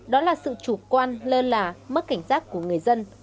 đó là sự chủ quan lơ là mất cảnh giác của người dân